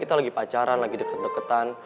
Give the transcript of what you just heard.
kita lagi pacaran lagi deket deketan